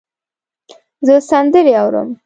زه سندرې اورم